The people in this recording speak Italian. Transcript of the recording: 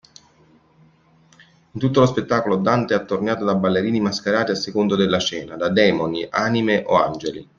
In tutto lo spettacolo Dante è attorniato da ballerini mascherati a seconda della scena: da demoni anime o angeli.